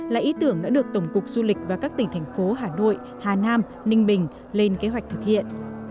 là ý tưởng đã được tổng cục du lịch và các tỉnh thành phố hà nội hà nam ninh bình lên kế hoạch thực hiện